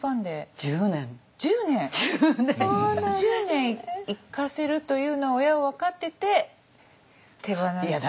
１０年行かせるというのを親は分かってて手放した？